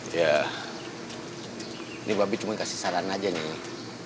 ya ini babi cuman kasih saran aja nih